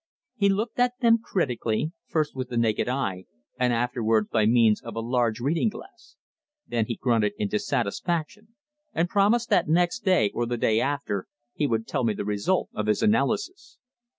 He looked at them critically, first with the naked eye and afterwards by means of a large reading glass. Then he grunted in dissatisfaction and promised that next day, or the day after, he would tell me the result of his analysis.